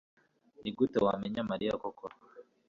nigute wamenye mariya koko